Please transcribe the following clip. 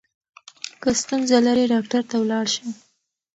که ستونزه لرې ډاکټر ته ولاړ شه.